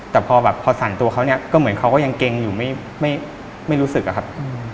แต่พอสั่นตัวเขาก็เหมือนเขาก็ยังเกรงอยู่ไม่รู้สึกครับ